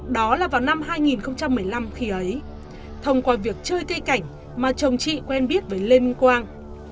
đó là vào năm hai nghìn một mươi năm khi ấy thông qua việc chơi cây cảnh mà chồng chị quen biết với lê minh quang